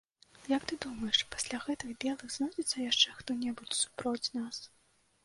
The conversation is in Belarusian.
Як ты думаеш, пасля гэтых белых знойдзецца яшчэ хто-небудзь супроць нас?